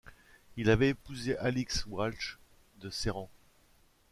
Il avait épousé Alix Walsh de Serrant.